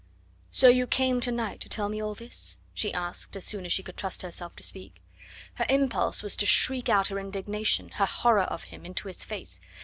"So you came to night to tell me all this?" she asked as soon as she could trust herself to speak. Her impulse was to shriek out her indignation, her horror of him, into his face.